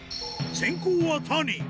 先攻は谷。